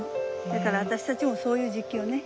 だから私たちもそういう時期よね。